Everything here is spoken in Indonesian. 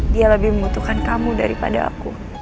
dia lebih membutuhkan kamu daripada aku